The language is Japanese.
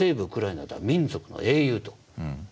ウクライナでは民族の英雄と。